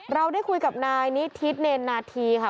เราได้คุยกับนายนิทิศเนรนาธีค่ะ